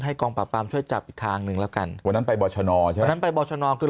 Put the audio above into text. ให้กองปราบปราบช่วยจับอีกทางนึงแล้วกันวันนั้นไปบรรชนอคือ